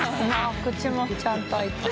口もちゃんと開いてる。